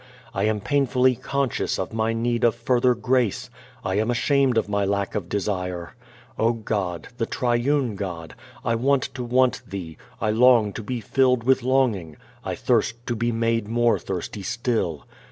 I am painfully conscious of my need of further grace. I am ashamed of my lack of desire. O God, the Triune God, I want to want Thee; I long to be filled with longing; I thirst to be made more thirsty still.